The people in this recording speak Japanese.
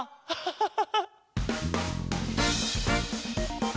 ハハハハ。